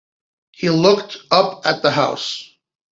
He looked up at the house.